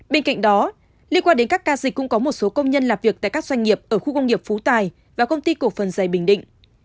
bên cạnh đó liên quan đến các ca dịch cũng có một số công nhân làm việc tại các doanh nghiệp ở khu công nghiệp phú tài và công ty cổ phần dày bình định